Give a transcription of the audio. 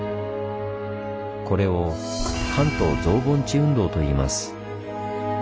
これを「関東造盆地運動」といいます。